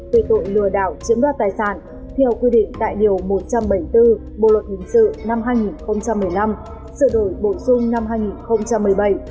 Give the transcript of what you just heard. về tội lừa đảo chiếm đoạt tài sản theo quy định tại điều một trăm bảy mươi bốn bộ luật hình sự năm hai nghìn một mươi năm sự đổi bổ sung năm hai nghìn một mươi bảy